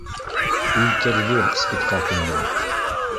Үлтерҙе спектаклде!